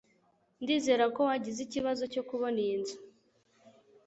Ndizera ko wagize ikibazo cyo kubona iyi nzu.